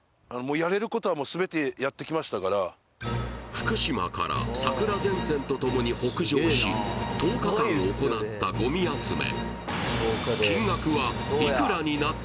福島から桜前線とともに北上し、１０日間行ったごみ集め。